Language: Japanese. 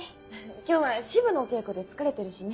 今日は詩舞のお稽古で疲れてるしね。